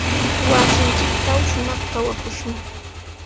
Wasinchiktraw shumaq kawakushun.